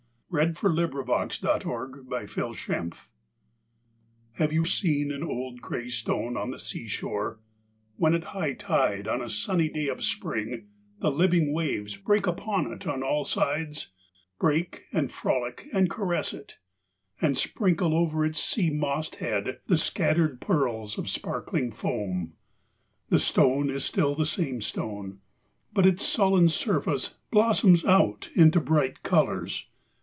304 POEMS IN PROSE n [1879 1882] THE STONE Have you seen an old grey stone on the sea shore, when at high tide, on a sunny day of spring, the living waves break upon it on all sides — break and frolic and caress it — and sprinkle over its sea mossed head the scattered pearls of sparkling foam ? The stone is still the same stone ; but its sullen surface blossoms out into bright colours.